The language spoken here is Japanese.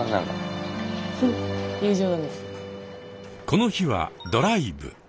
この日はドライブ。